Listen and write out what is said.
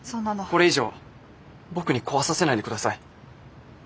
これ以上僕に壊させないでください。